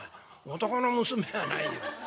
男の娘はないよ。